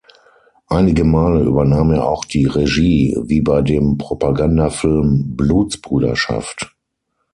Einige Male übernahm er auch die Regie wie bei dem Propagandafilm "Blutsbrüderschaft".